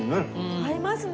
合いますね